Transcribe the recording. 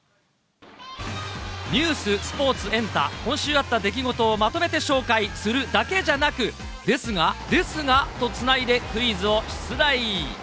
ニュース、スポーツ、エンタ、今週あった出来事をまとめて紹介するだけじゃなく、ですが、ですがとつないでクイズを出題。